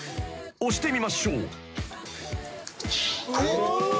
押してみましょう］